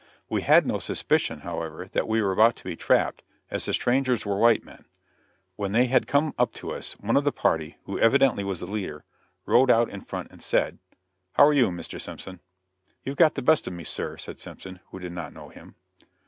We had no suspicion, however, that we were about to be trapped, as the strangers were white men. When they had come up to us, one of the party, who evidently was the leader, rode out in front and said: "How are you, Mr. Simpson?" "You've got the best of me, sir," said Simpson, who did not know him.